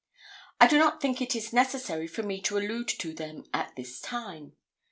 I do not think it is necessary for me to allude to them at this time.